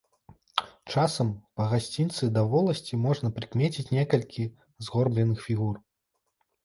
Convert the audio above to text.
Часам па гасцінцы да воласці можна прыкмеціць некалькі згорбленых фігур.